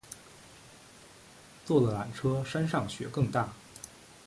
坐了缆车山上雪更大